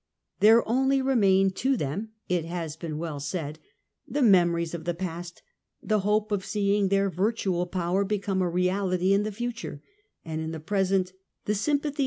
" There only remained them," it has been well said,^ " the memories of the past, the hope of seeing their virtual power become a E' in the future, and, in the present, the sympathy y M.